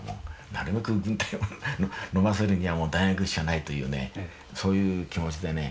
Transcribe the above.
なるべく軍隊を逃せるには大学しかないというねそういう気持ちでね。